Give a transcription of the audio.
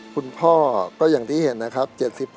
คุณพ่อเรายังได้เห็นนะครับ๗๖